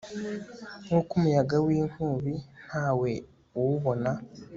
nk'uko umuyaga w'inkubi nta we uwubona